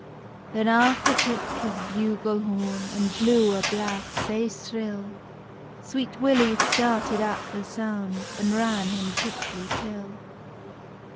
Then Arthur took his bugle horn, An blew a blast sae shrill; Sweet Willy started at the sound, An ran him quickly till.